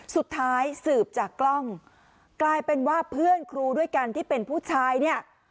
สืบจากกล้องกลายเป็นว่าเพื่อนครูด้วยกันที่เป็นผู้ชายเนี่ย